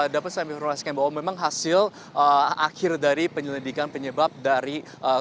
dapat saya informasikan bahwa memang hasil akhir dari penyelidikan penyebab dari